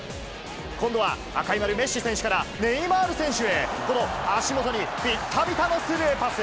今度は、赤い丸、メッシ選手からネイマール選手へ、この足元にビッタビタのスルーパス。